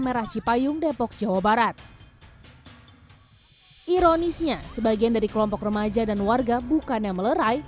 merah cipayung depok jawa barat ironisnya sebagian dari kelompok remaja dan warga bukannya melerai